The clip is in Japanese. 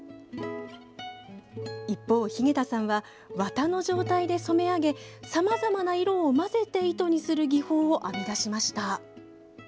一方、日下田さんは綿の状態で染め上げさまざまな色を混ぜて糸にする技法を編み出しました。